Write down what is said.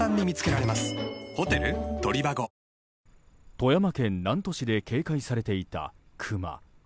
富山県南砺市で警戒されていたクマ。